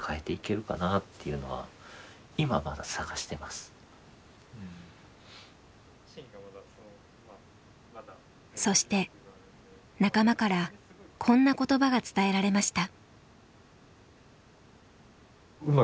そうですねそして仲間からこんな言葉が伝えられました。